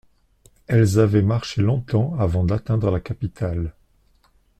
Elles avaient marché longtemps avant d’atteindre la capitale.